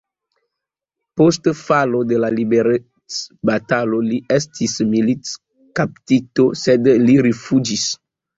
Post falo de la liberecbatalo li estis militkaptito, sed li rifuĝis.